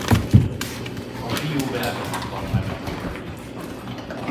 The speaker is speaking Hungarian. A fiú Belgrádban nevelkedett.